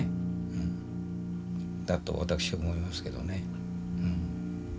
だと私思いますけどね。